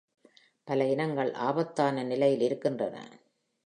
பல இனங்கள் ஆபத்தான நிலையில் இருக்கின்றன.